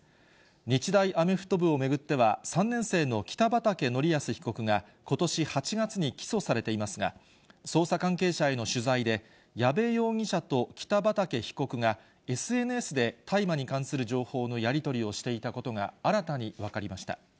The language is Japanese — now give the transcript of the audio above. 日大アメフト部を巡っては、３年生の北畠成文被告がことし８月に起訴されていますが、捜査関係者への取材で、矢部容疑者と北畠被告が、ＳＮＳで大麻に関する情報のやり取りをしていたことが、新たに分かりました。